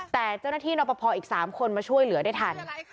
แต่เจ้าหน้าที่นอปภออีกสามคนมาช่วยเหลือได้ทัน